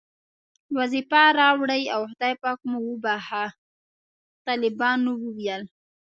وظیفه راوړئ او خدای پاک مو وبښه، طالبانو وویل.